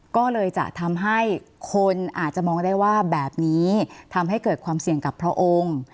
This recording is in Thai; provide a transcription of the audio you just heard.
ก็เลยจะทำให้คนอาจจะมองได้ว่าแบบนี้ทำให้เกิดความเสี่ยงกับพระองค์